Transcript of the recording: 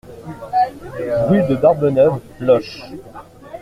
Rue de Barbeneuve, Loches